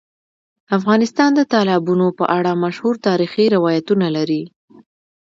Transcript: افغانستان د تالابونو په اړه مشهور تاریخی روایتونه لري.